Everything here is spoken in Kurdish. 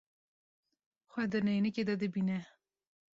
Xwe di neynikê de dibîne.